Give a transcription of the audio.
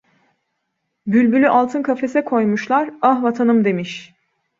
Bülbülü altın kafese koymuşlar, "ah vatanım" demiş.